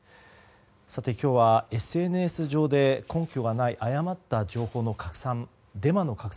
さて、今日はＳＮＳ上で根拠がない誤った情報の拡散デマの拡散